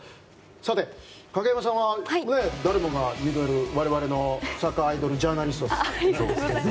さて、影山さんは誰もが認める我々のサッカーアイドルジャーナリストですが。